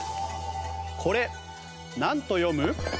これなんと読む？